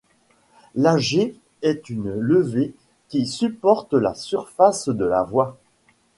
L'agger est une levée qui supporte la surface de la voie.